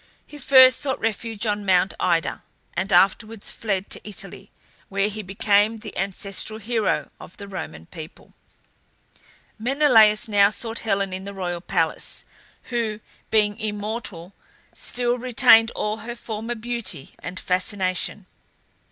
He first sought refuge on Mount Ida, and afterwards fled to Italy, where he became the ancestral hero of the Roman people. Menelaus now sought Helen in the royal palace, who, being immortal, still retained all her former beauty and fascination.